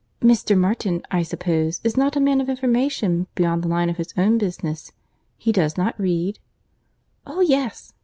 "Mr. Martin, I suppose, is not a man of information beyond the line of his own business? He does not read?" "Oh yes!